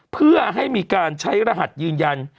เพื่อให้มีการใช้รหัสยืนยัน